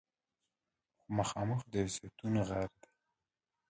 خو مخامخ د زیتون غر دی.